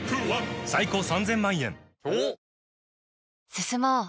進もう。